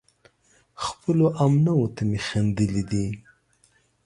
خپلو همنوعو ته مې خندلي دي